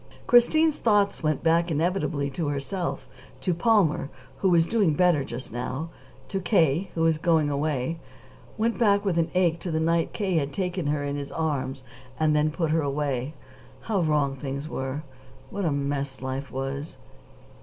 Christine's thoughts went back inevitably to herself; to Palmer, who was doing better just now; to K., who was going away went back with an ache to the night K. had taken her in his arms and then put her away. How wrong things were! What a mess life was!